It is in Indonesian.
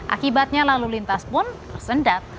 akibatnya lalu lintas pun tersendat